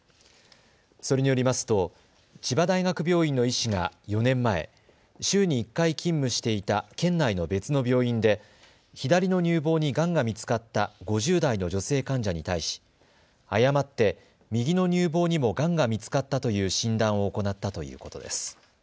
それによりますと千葉大学病院の医師が４年前、週に１回、勤務していた県内の別の病院で左の乳房にがんが見つかった５０代の女性患者に対し、誤って右の乳房にもがんが見つかったという診断を行ったということです。